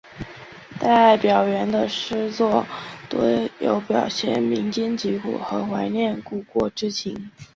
戴表元的诗作多有表现民间疾苦和怀念故国之情。